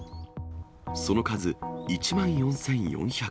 その数１万４４００個。